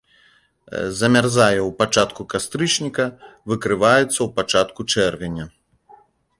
Замярзае ў пачатку кастрычніка, выкрываецца ў пачатку чэрвеня.